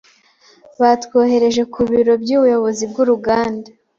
Batwohereje ku biro by'ubuyobozi bw'uruganda.